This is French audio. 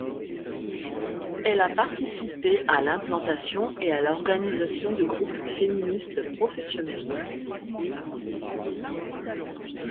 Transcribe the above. Elle a participé a l'implantation et à l'organisation de groupes féministes professionnels.